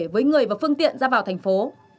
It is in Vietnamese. với người và phương tiện ra vào thành phố